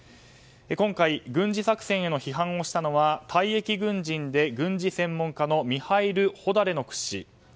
今回、軍事作戦への批判をしたのは退役軍人で軍事専門家のミハイル・ホダレノク氏。